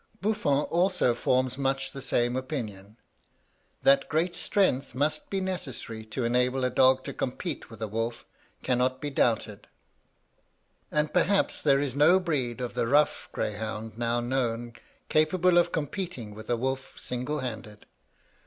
Buffon also forms much the same opinion. That great strength must be necessary to enable a dog to compete with a wolf, cannot be doubted, and perhaps there is no breed of the rough greyhound now known capable of competing with a wolf single handed.